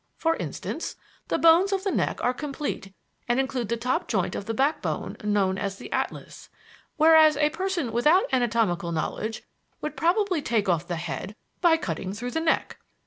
For instance, the bones of the neck are complete and include the top joint of the backbone known as the atlas; whereas a person without anatomical knowledge would probably take off the head by cutting through the neck.